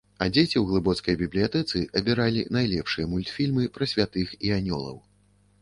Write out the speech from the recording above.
А дзеці ў глыбоцкай бібліятэцы абіралі найлепшыя мультфільмы пра святых і анёлаў.